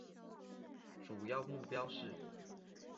主要目标是